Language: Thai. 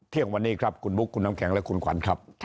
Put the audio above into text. เที่ยงวันนี้ครับคุณบุ๊คคุณน้ำแข็งและคุณขวัญครับ